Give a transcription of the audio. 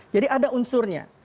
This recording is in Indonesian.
jadi ada unsurnya